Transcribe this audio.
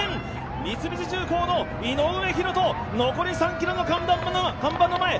三菱重工の井上大仁、残り３ｋｍの看板の前